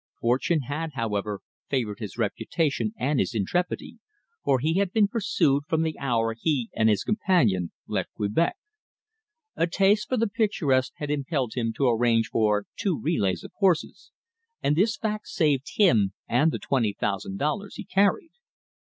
Fortune had, however, favoured his reputation and his intrepidity, for he had been pursued from the hour he and his companion left Quebec. A taste for the picturesque had impelled him to arrange for two relays of horses, and this fact saved him and the twenty thousand dollars he carried.